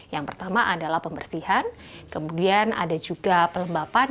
yang pertama adalah pembersihan kemudian ada juga pelembapan